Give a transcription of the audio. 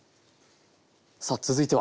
さあ続いては。